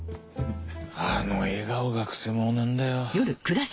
あの笑顔がくせ者なんだよ。